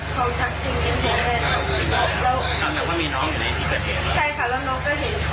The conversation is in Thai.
ก็เห็นแม่ปรับความเข้าใจกับคนร้ายแล้ว